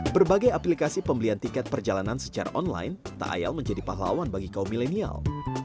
berbagai aplikasi pembelian tiket perjalanan secara online tak ayal menjadi pahlawan bagi kaum milenial